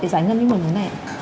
để giải ngân những người như thế này